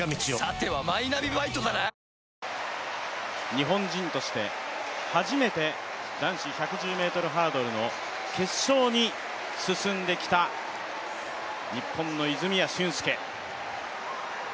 日本人として、初めて男子１１０ｍハードルの決勝に進んできた日本の泉谷駿介。